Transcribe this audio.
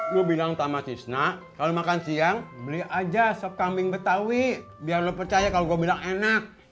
gue bilang sama sisna kalau makan siang beli aja sop kambing betawi biar lo percaya kalau gue bilang enak